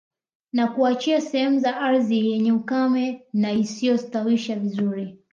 Na kuwaachia sehemu za ardhi yenye ukame na isiyostawisha vizuri